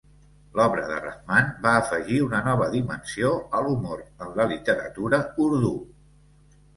L'obra de Rahman va afegir una nova dimensió a l'humor en la literatura urdú.